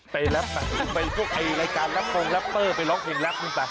ไปรับไปไปพวกไอ้รายการรับผมรัปเปอร์ไปลองเพลงรับกูไป